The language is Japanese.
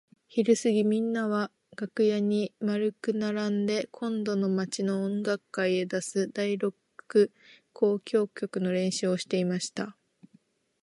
ひるすぎみんなは楽屋に円くならんで今度の町の音楽会へ出す第六交響曲の練習をしていました。